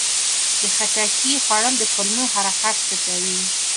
د خټکي خوړل د کولمو حرکت ښه کوي.